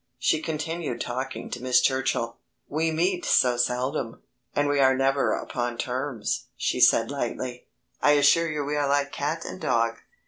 She continued talking to Miss Churchill. "We meet so seldom, and we are never upon terms," she said lightly. "I assure you we are like cat and dog."